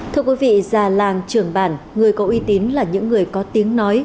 thưa quý vị già làng trưởng bản người có uy tín là những người có tiếng nói